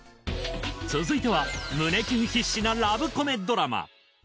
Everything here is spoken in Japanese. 続いては胸キュン必至なラブコメドラマ。